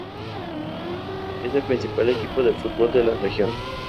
Es el principal equipo de fútbol de la región.